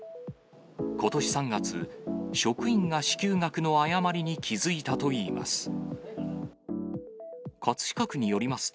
ことし３月、職員が支給額の誤りに気付いたといいます。